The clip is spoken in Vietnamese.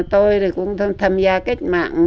tôi cũng tham gia kết mạng